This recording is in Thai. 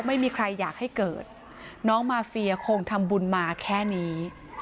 ไม่มีใครอยากให้เกิดน้องมาเฟียคงทำบุญมาแค่นี้